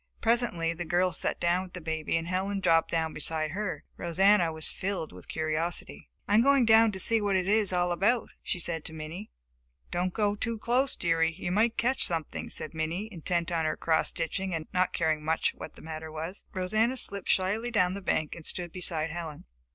Presently the girl sat down with the baby and Helen dropped down beside her. Rosanna was filled with curiosity. "I am going down to see what it is all about," she said to Minnie. "Don't go too close, dearie; you might catch something," said Minnie, intent on her cross stitching and not caring much what the matter was. Rosanna slipped shyly down the bank and stood beside Helen.